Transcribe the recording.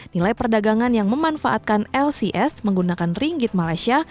nilai perdagangan yang memanfaatkan lcs menggunakan ringgit malaysia